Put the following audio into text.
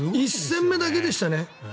１戦目だけでしたね。